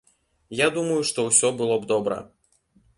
Я думаю, што ўсё было б добра.